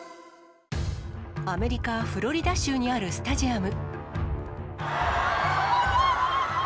アメリカ・フロリダ州にあるスタジアム。